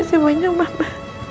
makasih banyak mama